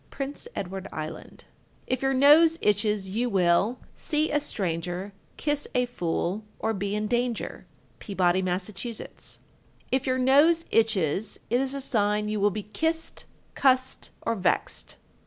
Prince Edward Island. 1359. If your nose itches, you will See a stranger, Kiss a fool, Or be in danger. Peabody, Mass. 1360. If your nose itches, it is a sign you will be kissed, cussed, or vexed.